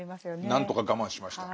何とか我慢しました。